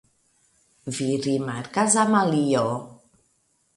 Vi rimarkas, Amalio?